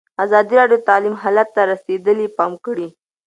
ازادي راډیو د تعلیم حالت ته رسېدلي پام کړی.